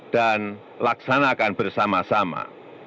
dan laksanakan bersama sama